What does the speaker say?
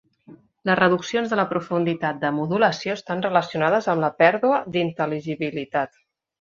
Les reduccions de la profunditat de modulació estan relacionades amb la pèrdua d'intel·ligibilitat.